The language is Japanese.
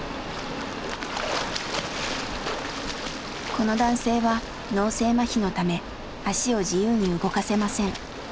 この男性は脳性まひのため足を自由に動かせません。